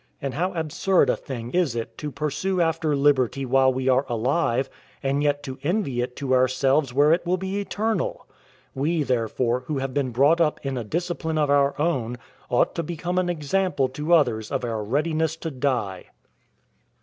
And how absurd a thing is it to pursue after liberty while we are alive, and yet to envy it to ourselves where it will be eternal! We, therefore, who have been brought up in a discipline of our own, ought to become an example to others of our readiness to die.